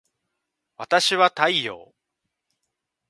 わたしは太陽